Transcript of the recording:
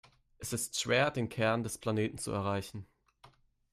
Es ist schwer, den Kern des Planeten zu erreichen.